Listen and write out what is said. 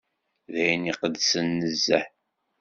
D ayen iqedsen nezzeh.